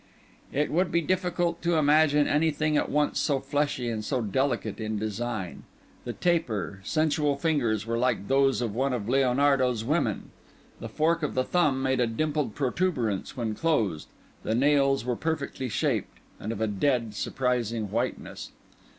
It would be difficult to imagine anything at once so fleshy and so delicate in design; the taper, sensual fingers were like those of one of Leonardo's women; the fork of the thumb made a dimpled protuberance when closed; the nails were perfectly shaped, and of a dead, surprising whiteness.